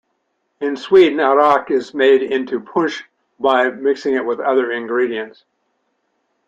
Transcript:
In Sweden arrak is made into punsch by mixing it with other ingredients.